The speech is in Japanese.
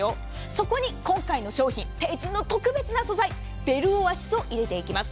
そこに今回の商品帝人の特別な素材ベルオアシスを入れていきます。